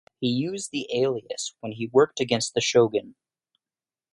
He used the alias when he worked against the Shogun.